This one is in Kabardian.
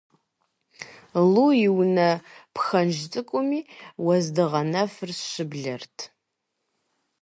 Лу и унэ пхэнж цӏыкӏуми уэздыгъэ нэфыр щыблэрт.